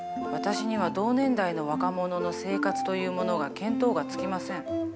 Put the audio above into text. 私には同年代の若者の生活というものが見当がつきません。